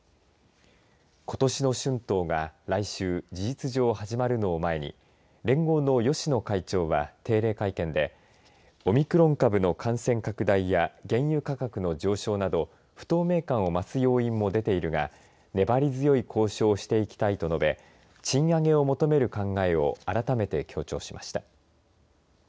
ことしの春闘が来週、事実上始まるのを前に連合の芳野会長は定例会見でオミクロン株の感染拡大や原油価格の上昇など不透明感を増す要因も出ているが粘り強い交渉をしていきたいと述べ賃上げを求める考えを改めて強調しました。